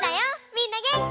みんなげんき？